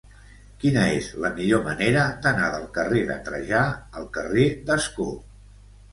Quina és la millor manera d'anar del carrer de Trajà al carrer d'Ascó?